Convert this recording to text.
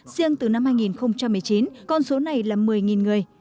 riêng từ năm hai nghìn một mươi chín con số này là một mươi người